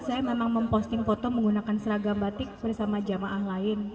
saya memang memposting foto menggunakan seragam batik bersama jamaah lain